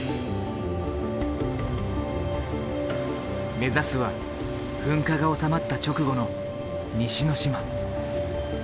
目指すは噴火が収まった直後の西之島。